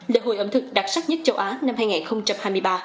lễ hội ẩm thực đặc sắc nhất châu á năm hai nghìn hai mươi ba